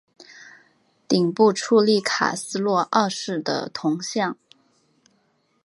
顶部矗立卡洛斯二世的铜像。